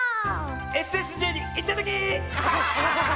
ＳＳＪにいったとき！